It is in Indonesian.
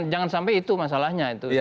jangan sampai itu masalahnya